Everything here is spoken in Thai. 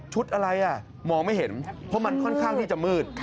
อะไรมองไม่เห็นเพราะมันค่อนข้างที่จะมืด